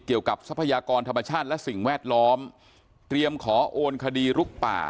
ทรัพยากรธรรมชาติและสิ่งแวดล้อมเตรียมขอโอนคดีลุกป่า